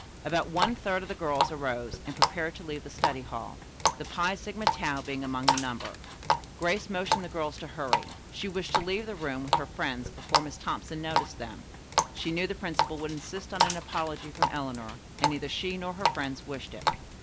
About one third of the girls arose and prepared to leave the study hall, the Phi Sigma Tau being among the number. Grace motioned the girls to hurry. She wished to leave the room with her friends before Miss Thompson noticed them. She knew the principal would insist on an apology from Eleanor, and neither she nor her friends wished it.